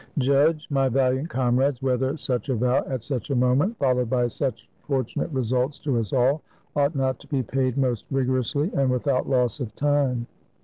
Judge, my valiant comrades, whether such a vow, at such a moment, followed by such fortunate results to us all, ought not to be paid most rigorously and without loss of time."